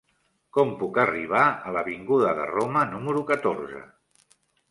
Com puc arribar a l'avinguda de Roma número catorze?